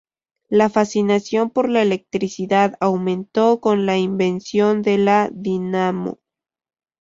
La fascinación por la electricidad aumentó con la invención de la dinamo.